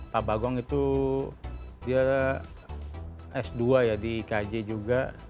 pak bagong itu dia s dua ya di kj juga